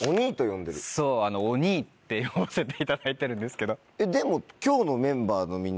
そう「お兄」って呼ばせていただいてるんですけど。